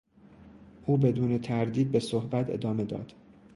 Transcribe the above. او بدون تردید به صحبت ادامه داد.